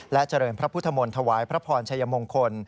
เจริญพระพุทธมนต์ถวายพระพรชัยมงคล